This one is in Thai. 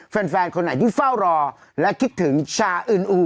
แฟนคนไหนที่เฝ้ารอและคิดถึงชาอื่นอู